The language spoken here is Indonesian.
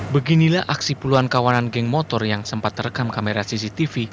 beginilah aksi puluhan kawanan geng motor yang sempat terekam kamera cctv